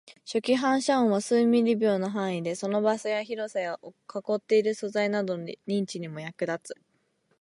初期反射音は数ミリ秒の範囲で、その場所の広さや囲っている素材などの認知にも役立つ